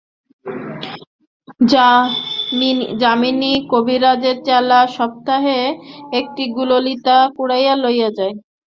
যামিনী কবিরাজের চেলা সপ্তাহে একটি গুললিতা কুড়াইয়া লইয়া যায়।